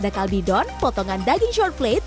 saya langsung memesan alun